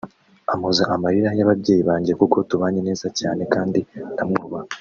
ampoza amarira y’ababyeyi banjye kuko tubanye neza cyane kandi ndamwubaha